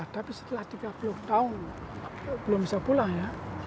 tapi setelah tiga puluh tahun belum bisa pulang ya